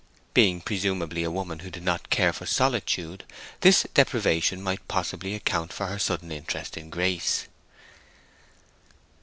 Being presumably a woman who did not care for solitude, this deprivation might possibly account for her sudden interest in Grace.